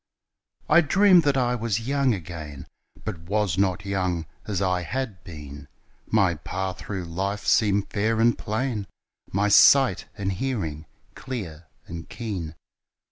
I dreamed that I was young again, But was not young as I had been, My path through life seemed fair and plain, My sight and hearing clear and keen.